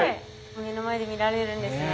目の前で見られるんですね。